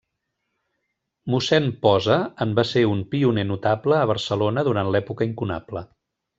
Mossèn Posa en va ser un pioner notable a Barcelona durant l'època incunable.